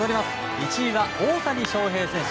１位は大谷翔平選手。